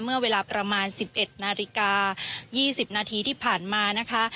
เมื่อเวลาประมาณ๑๑นาฬิกา๒๐นาทีที่ผ่านมานะคะ